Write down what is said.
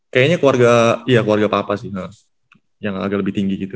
kayaknya keluarga papa sih yang agak lebih tinggi gitu